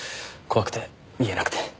怖くて言えなくて。